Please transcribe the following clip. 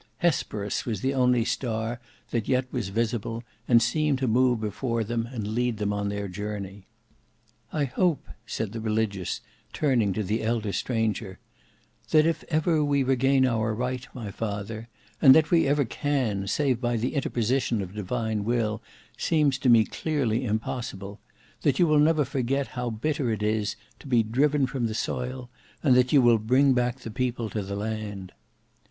Hesperus was the only star that yet was visible, and seemed to move before them and lead them on their journey. "I hope," said the Religious, turning to the elder stranger, "that if ever we regain our right, my father, and that we ever can save by the interposition of divine will seems to me clearly impossible, that you will never forget how bitter it is to be driven from the soil; and that you will bring back the people to the land."